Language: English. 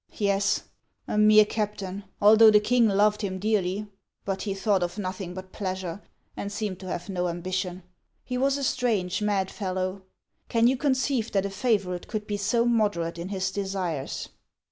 "Yes, a mere captain, although the king loved him dearly. But he thought of nothing but pleasure, and seemed to have no ambition. He was a strange, mad fellow. Can you conceive that a favorite could be so moderate in his desires?"